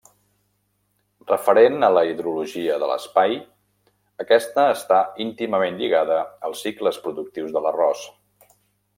Referent a la hidrologia de l'espai aquesta està íntimament lligada als cicles productius de l'arròs.